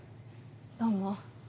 どうも。